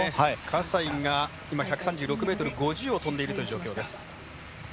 葛西が今、１３６ｍ５０を飛んでいるという状況です。